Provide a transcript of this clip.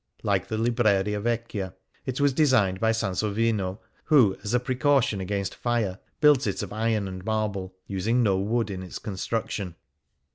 Like the Libreria Vecchia, it was designed by Sansovino, who, as a pre caution against fire, built it of iron and marble, using no wood in its construction.